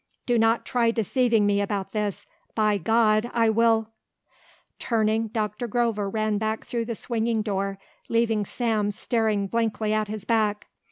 "Do not try deceiving me about this. By God, I will " Turning, Doctor Grover ran back through the swinging door leaving Sam staring blankly at his back.